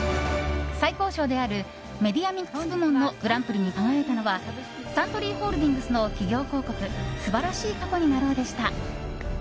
最高賞であるメディアミックス部門のグランプリに輝いたのはサントリーホールディングスの企業広告「素晴らしい過去になろう」でした。